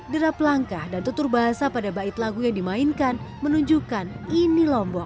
derap langkah dan tutur bahasa pada bait lagu yang dimainkan menunjukkan ini lombok